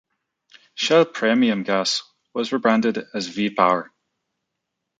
Shell "Premium" gas was rebranded as "V-Power".